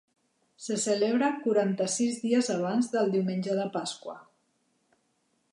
Se celebra quaranta-sis dies abans del diumenge de Pasqua.